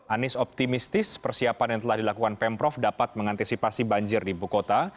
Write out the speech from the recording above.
anies optimistis persiapan yang telah dilakukan pemprov dapat mengantisipasi banjir di ibu kota